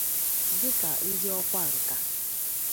dịka ndị ọkwa nkà